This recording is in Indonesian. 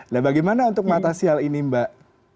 nah bagaimana untuk mengatasi hal ini mbak